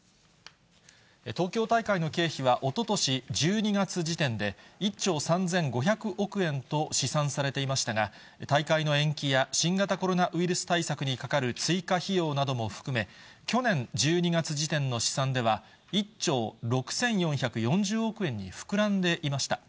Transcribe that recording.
東京大会の経費は、おととし１２月時点で、１兆３５００億円と試算されていましたが、大会の延期や、新型コロナウイルス対策にかかる追加費用なども含め、去年１２月時点の試算では、１兆６４４０億円に膨らんでいました。